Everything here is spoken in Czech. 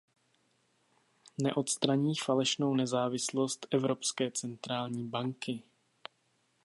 Neodstraní falešnou nezávislost Evropské centrální banky.